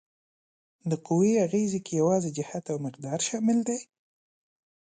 د قوې اغیزې کې یوازې جهت او مقدار شامل دي؟